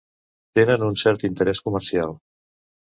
Tenen un cert interès comercial.